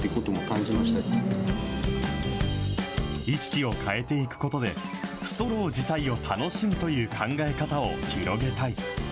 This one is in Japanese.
意識を変えていくことで、ストロー自体を楽しむという考え方を広げたい。